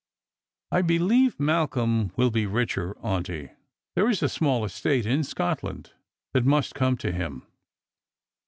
" I beheve Malcolm will be richer, auntie. There is a small estate in Scotland that must come to him."